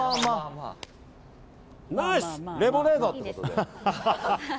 ナイスレモネード！ってことで。